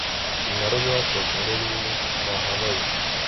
Narodila se v Honolulu na Havaji.